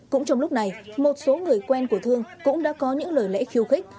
cũng trong lúc này một số người quen của thương cũng đã có những lời lẽ khiêu khích